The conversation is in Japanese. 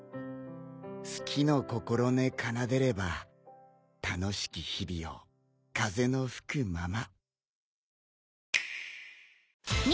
好きの心音奏でれば楽しき日々よ風の吹くまま。